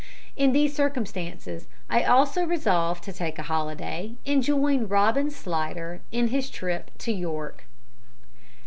In these circumstances I also resolved to take a holiday, and join Robin Slidder in his trip to York.